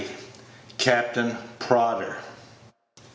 CAPTAIN PRODDER.